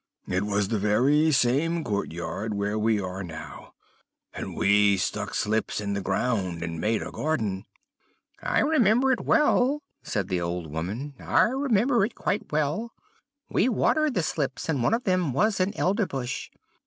It was the very same court yard where we now are, and we stuck slips in the ground, and made a garden.' "'I remember it well,' said the old woman; 'I remember it quite well. We watered the slips, and one of them was an Elderbush.